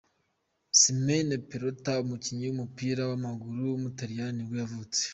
Simone Perrotta, umukinnyi w’umupira w’amaguru w’umutaliyani nibwo yavutse.